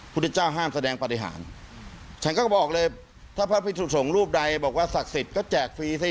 พุทธเจ้าห้ามแสดงปฏิหารฉันก็บอกเลยถ้าพระพิสุสงฆ์รูปใดบอกว่าศักดิ์สิทธิ์ก็แจกฟรีสิ